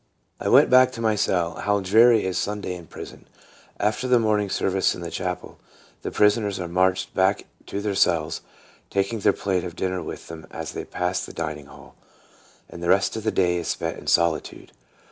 I WENT back to my cell. How dreary is Sunday in prison ! After the morning ser vice in the chapel, the prisoners are marched back to their cells, taking their plate of din ner with them as they pass the dining hall, and the rest of the day is spent in solitude.